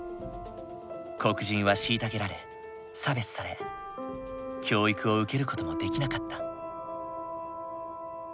黒人は虐げられ差別され教育を受ける事もできなかった。